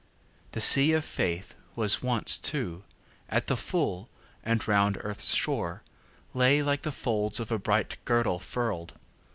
The sea of faithWas once, too, at the full, and round earth's shoreLay like the folds of a bright girdle furl'd.